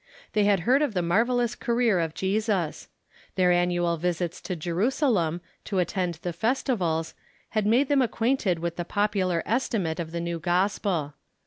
They had heard of the marvellous career of Jesus. Their annual visits to Jerusalem, to attend the festivals, had made them acquainted Avith the popular estimate of the new gospel.